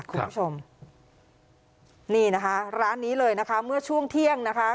คุณผู้ชมนี่นะคะร้านนี้เลยนะคะเมื่อช่วงเที่ยงนะคะ